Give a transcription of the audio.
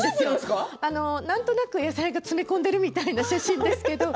なんとなく野菜、詰め込んでいるみたいな写真ですけれど